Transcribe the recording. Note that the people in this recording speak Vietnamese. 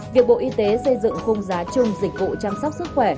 việc bộ y tế xây dựng khung giá chung dịch vụ chăm sóc sức khỏe